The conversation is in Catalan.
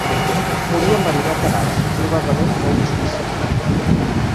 Morí enverinat de gas, probablement fou un suïcidi.